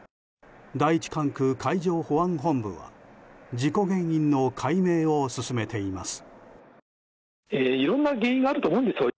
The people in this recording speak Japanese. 第１管区海上保安本部は事故原因の解明を進めています。